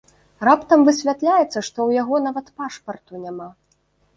Раптам высвятляецца, што ў яго нават пашпарту няма!